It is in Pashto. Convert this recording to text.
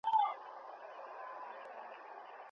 موټرونه بې تېلو نه چلیږي.